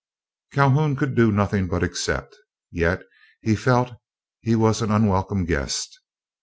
Calhoun could do nothing but accept, yet he felt he was an unwelcome guest.